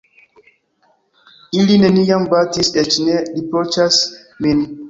Ili neniam batis, eĉ ne riproĉas min.